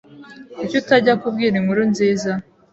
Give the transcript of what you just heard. Kuki utajya kubwira inkuru nziza?